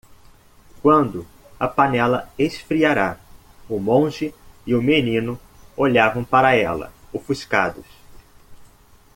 Quando a panela esfriara?, o monge e o menino olhavam para ela,? ofuscados.